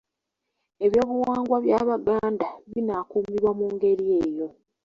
Ebyobuwangwa by’Abaganda binaakuumibwa mu ngeri eyo.